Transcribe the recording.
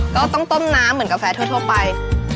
ก็ต้องต้มน้ำเหมือนกาแฟทั่วไป